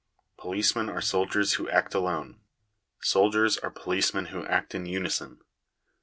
Policemen are soldiers who act alone : soldiers are policemen who act in unison.